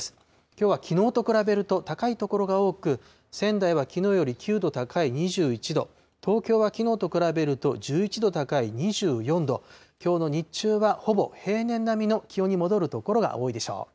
きょうはきのうと比べると高い所が多く、仙台はきのうより９度高い２１度、東京はきのうと比べると１１度高い２４度、きょうの日中はほぼ平年並みの気温に戻る所が多いでしょう。